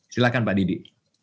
silahkan pak didi